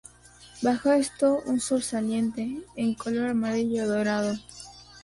Bajo esto, un sol saliente, en color amarillo dorado.